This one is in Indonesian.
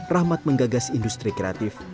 rahmat menggagas industri kreatif